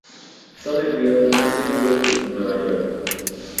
Somerville nació en Brooklyn, Nueva York.